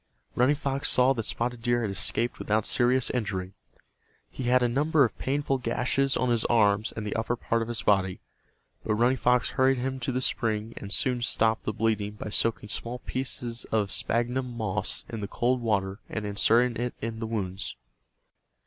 Running Fox saw that Spotted Deer had escaped without serious injury. He had a number of painful gashes on his arms and the upper part of his body, but Running Fox hurried him to the spring and soon stopped the bleeding by soaking small pieces of sphagnum moss in the cold water and inserting it in the wounds.